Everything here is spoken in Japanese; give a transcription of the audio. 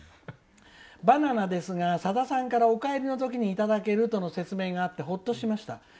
「バナナですがさださんからお帰りのときにいただけるとの説明があってほっとしました。